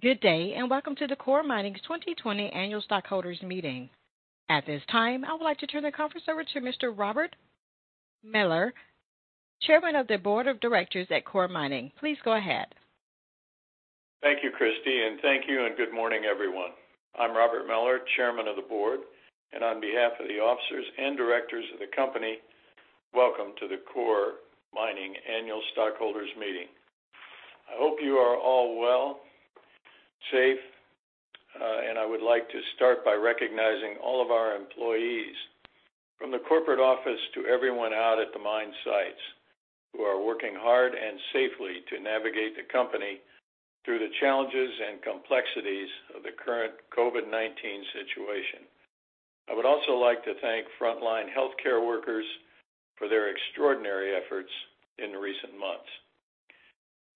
Good day, and welcome to the Coeur Mining 2020 annual stockholders meeting. At this time, I would like to turn the conference over to Mr. Robert Mellor, Chairman of the Board of Directors at Coeur Mining. Please go ahead. Thank you, Christy. Thank you and good morning, everyone. I'm Robert Mellor, Chairman of the Board, and on behalf of the officers and directors of the company, welcome to the Coeur Mining annual stockholders meeting. I hope you are all well, safe, and I would like to start by recognizing all of our employees, from the corporate office to everyone out at the mine sites who are working hard and safely to navigate the company through the challenges and complexities of the current COVID-19 situation. I would also like to thank frontline healthcare workers for their extraordinary efforts in recent months.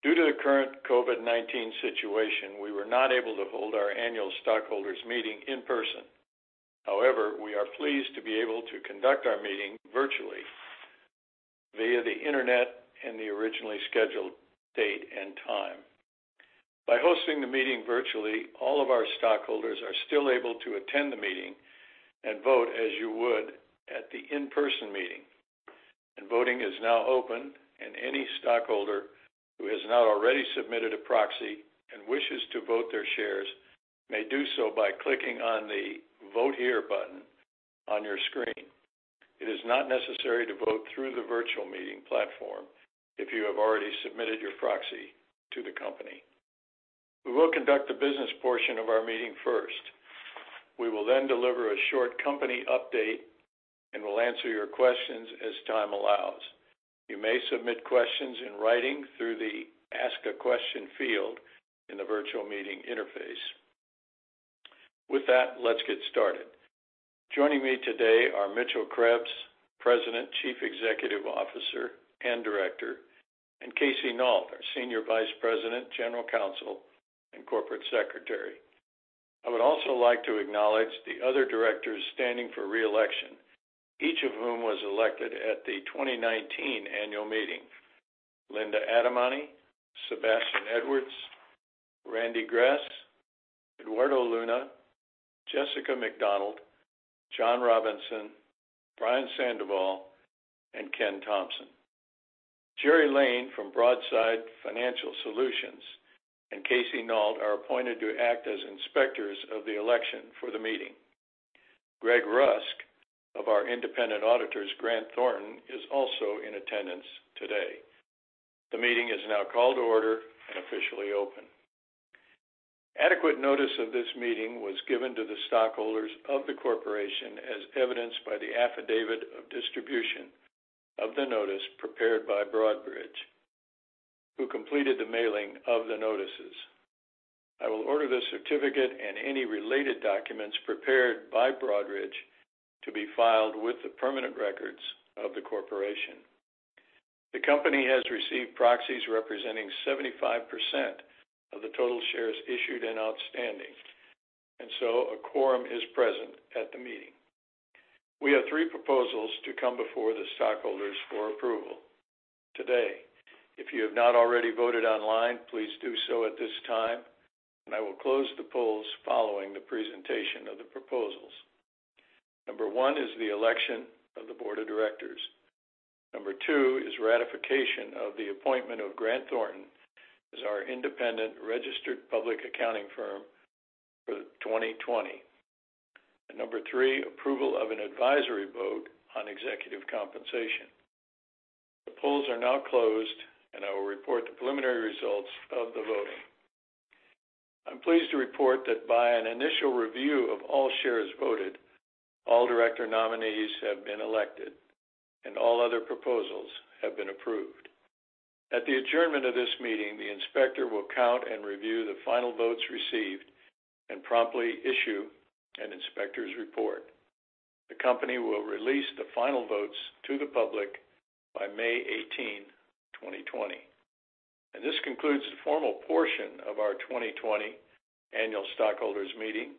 Due to the current COVID-19 situation, we were not able to hold our annual stockholders meeting in person. However, we are pleased to be able to conduct our meeting virtually via the internet in the originally scheduled date and time. By hosting the meeting virtually, all of our stockholders are still able to attend the meeting and vote as you would at the in-person meeting. Voting is now open, and any stockholder who has not already submitted a proxy and wishes to vote their shares may do so by clicking on the Vote Here button on your screen. It is not necessary to vote through the virtual meeting platform if you have already submitted your proxy to the company. We will conduct the business portion of our meeting first. We will then deliver a short company update and will answer your questions as time allows. You may submit questions in writing through the Ask a Question field in the virtual meeting interface. With that, let's get started. Joining me today are Mitchell Krebs, President, Chief Executive Officer, and Director, and Casey Nault, our Senior Vice President, General Counsel, and Corporate Secretary. I would also like to acknowledge the other directors standing for re-election, each of whom was elected at the 2019 annual meeting. Linda Adamany, Sebastian Edwards, Randy Gress, Eduardo Luna, Jessica McDonald, John Robinson, Brian Sandoval, and Ken Thompson. Jerry Lane from Broadridge Financial Solutions and Casey Nault are appointed to act as inspectors of the election for the meeting. Gregg Rusk of our independent auditors, Grant Thornton, is also in attendance today. The meeting is now called to order and officially open. Adequate notice of this meeting was given to the stockholders of the corporation as evidenced by the affidavit of distribution of the notice prepared by Broadridge, who completed the mailing of the notices. I will order the certificate and any related documents prepared by Broadridge to be filed with the permanent records of the corporation. The company has received proxies representing 75% of the total shares issued and outstanding, a quorum is present at the meeting. We have three proposals to come before the stockholders for approval today. If you have not already voted online, please do so at this time, I will close the polls following the presentation of the proposals. Number one is the election of the board of directors. Number two is ratification of the appointment of Grant Thornton as our independent registered public accounting firm for 2020. Number three, approval of an advisory vote on executive compensation. The polls are now closed, I will report the preliminary results of the voting. I'm pleased to report that by an initial review of all shares voted, all director nominees have been elected, and all other proposals have been approved. At the adjournment of this meeting, the inspector will count and review the final votes received and promptly issue an inspector's report. The company will release the final votes to the public by May 18, 2020. This concludes the formal portion of our 2020 annual stockholders meeting,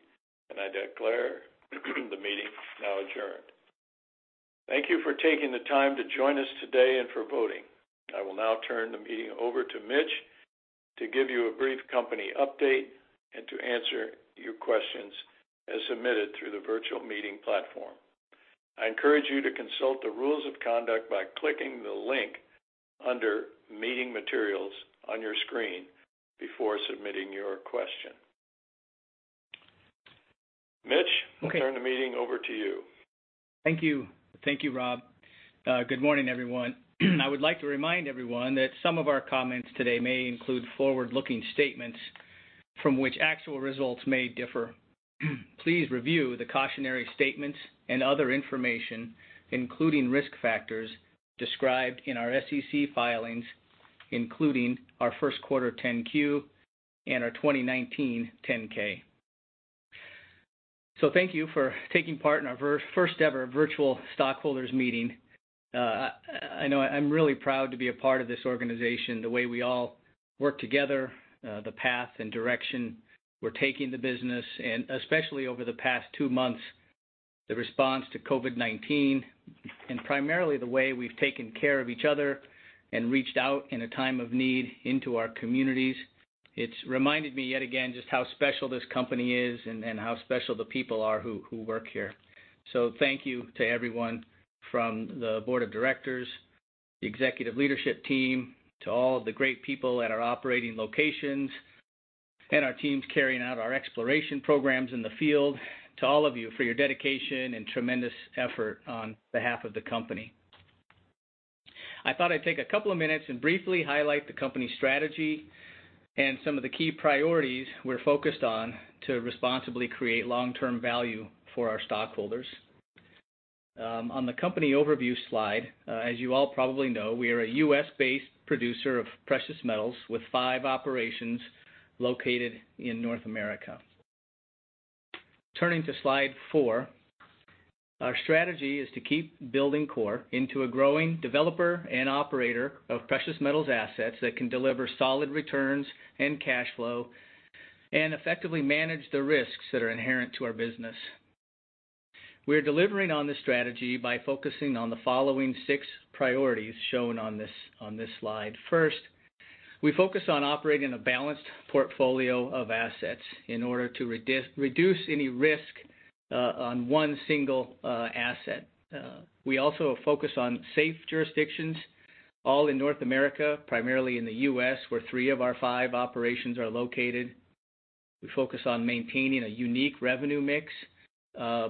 and I declare the meeting now adjourned. Thank you for taking the time to join us today and for voting. I will now turn the meeting over to Mitch to give you a brief company update and to answer your questions as submitted through the virtual meeting platform. I encourage you to consult the rules of conduct by clicking the link under Meeting Materials on your screen before submitting your question. Mitch. Okay. I turn the meeting over to you. Thank you. Thank you, Rob. Good morning, everyone. I would like to remind everyone that some of our comments today may include forward-looking statements from which actual results may differ. Please review the cautionary statements and other information, including risk factors described in our SEC filings, including our first quarter 10-Q and our 2019 10-K. Thank you for taking part in our first ever virtual stockholders meeting. I know I'm really proud to be a part of this organization, the way we all work together, the path and direction we're taking the business, and especially over the past two months. The response to COVID-19, and primarily the way we've taken care of each other and reached out in a time of need into our communities. It's reminded me yet again, just how special this company is and how special the people are who work here. Thank you to everyone from the board of directors, the executive leadership team, to all of the great people at our operating locations, and our teams carrying out our exploration programs in the field, to all of you for your dedication and tremendous effort on behalf of the company. I thought I'd take a couple of minutes and briefly highlight the company strategy and some of the key priorities we're focused on to responsibly create long-term value for our stockholders. On the company overview slide, as you all probably know, we are a U.S.-based producer of precious metals with five operations located in North America. Turning to slide four, our strategy is to keep building Coeur into a growing developer and operator of precious metals assets that can deliver solid returns and cash flow and effectively manage the risks that are inherent to our business. We're delivering on this strategy by focusing on the following six priorities shown on this slide. First, we focus on operating a balanced portfolio of assets in order to reduce any risk on one single asset. We also focus on safe jurisdictions, all in North America, primarily in the U.S., where three of our five operations are located. We focus on maintaining a unique revenue mix,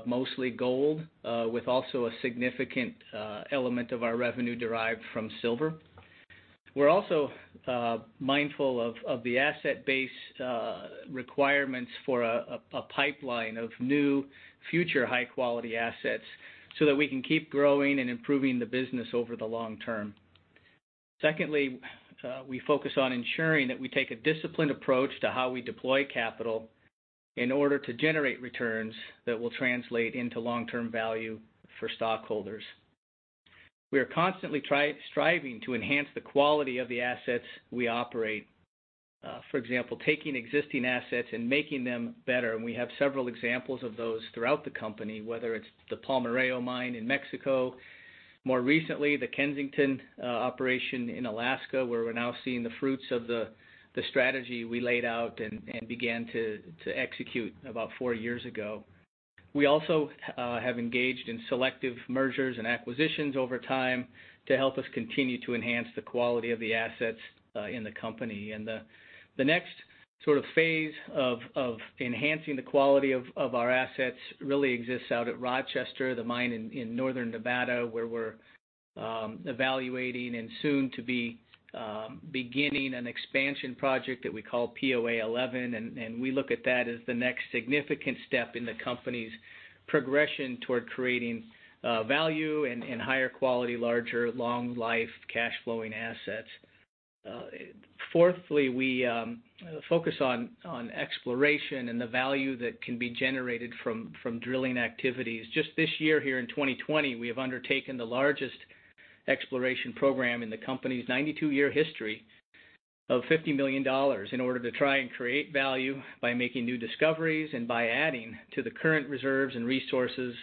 mostly gold, with also a significant element of our revenue derived from silver. We're also mindful of the asset-based requirements for a pipeline of new future high-quality assets so that we can keep growing and improving the business over the long term. Secondly, we focus on ensuring that we take a disciplined approach to how we deploy capital in order to generate returns that will translate into long-term value for stockholders. We are constantly striving to enhance the quality of the assets we operate. For example, taking existing assets and making them better, and we have several examples of those throughout the company, whether it's the Palmarejo mine in Mexico, more recently, the Kensington operation in Alaska, where we're now seeing the fruits of the strategy we laid out and began to execute about four years ago. We also have engaged in selective mergers and acquisitions over time to help us continue to enhance the quality of the assets in the company. The next phase of enhancing the quality of our assets really exists out at Rochester, the mine in Northern Nevada, where we're evaluating and soon to be beginning an expansion project that we call POA 11. We look at that as the next significant step in the company's progression toward creating value and higher quality, larger, long life, cash flowing assets. Fourthly, we focus on exploration and the value that can be generated from drilling activities. Just this year here in 2020, we have undertaken the largest exploration program in the company's 92-year history of $50 million in order to try and create value by making new discoveries and by adding to the current reserves and resources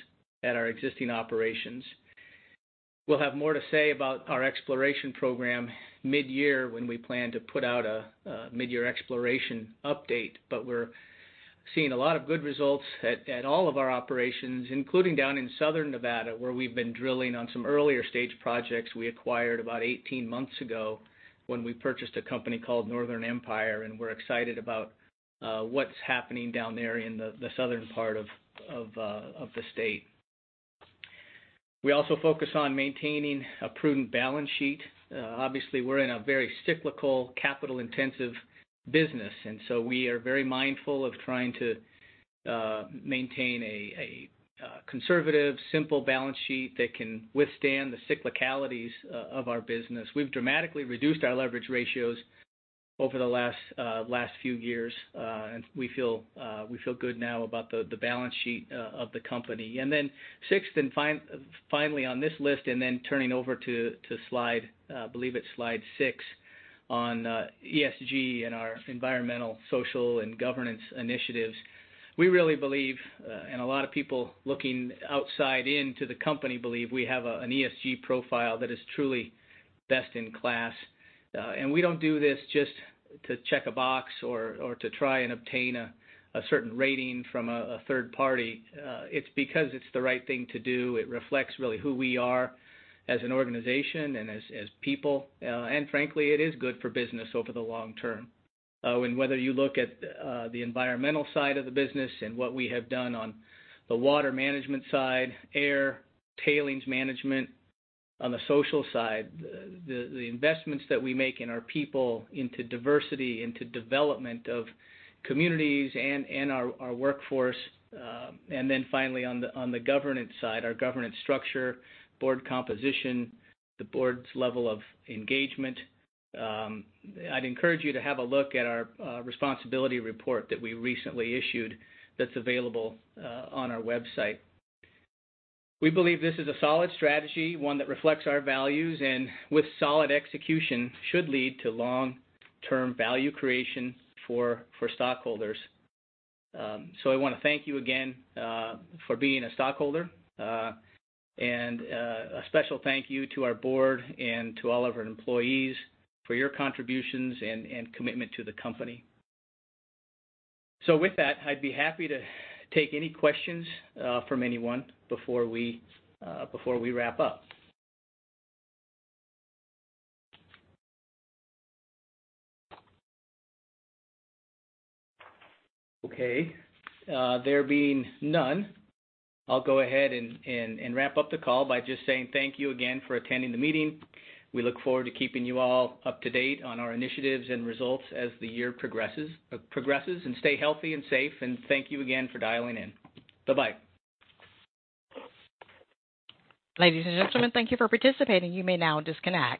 at our existing operations. We'll have more to say about our exploration program mid-year when we plan to put out a mid-year exploration update. We're seeing a lot of good results at all of our operations, including down in Southern Nevada, where we've been drilling on some earlier stage projects we acquired about 18 months ago when we purchased a company called Northern Empire, and we're excited about what's happening down there in the southern part of the state. We also focus on maintaining a prudent balance sheet. Obviously, we're in a very cyclical, capital-intensive business, and so we are very mindful of trying to maintain a conservative, simple balance sheet that can withstand the cyclicalities of our business. We've dramatically reduced our leverage ratios over the last few years. We feel good now about the balance sheet of the company. Then sixth and finally on this list, then turning over to slide, I believe it's slide six on ESG and our environmental, social, and governance initiatives. We really believe, and a lot of people looking outside into the company believe, we have an ESG profile that is truly best in class. We don't do this just to check a box or to try and obtain a certain rating from a third party. It's because it's the right thing to do. It reflects really who we are as an organization and as people. Frankly, it is good for business over the long term. Whether you look at the environmental side of the business and what we have done on the water management side, air, tailings management, on the social side, the investments that we make in our people into diversity, into development of communities and our workforce. Then finally, on the governance side, our governance structure, board composition, the board's level of engagement. I'd encourage you to have a look at our responsibility report that we recently issued that's available on our website. We believe this is a solid strategy, one that reflects our values, and with solid execution, should lead to long-term value creation for stockholders. I want to thank you again for being a stockholder, and a special thank you to our board and to all of our employees for your contributions and commitment to the company. With that, I'd be happy to take any questions from anyone before we wrap up. There being none, I'll go ahead and wrap up the call by just saying thank you again for attending the meeting. We look forward to keeping you all up to date on our initiatives and results as the year progresses. Stay healthy and safe, and thank you again for dialing in. Bye-bye. Ladies and gentlemen, thank you for participating. You may now disconnect.